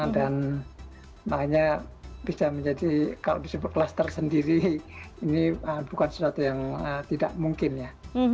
dan makanya bisa menjadi kalau di super kluster sendiri ini bukan sesuatu yang tidak mungkin ya